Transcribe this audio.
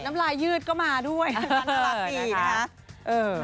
น้ำลายืดก็มาด้วยกันตลาดอีกนะฮะ